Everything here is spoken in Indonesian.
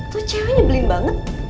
tuh cewe nyebelin banget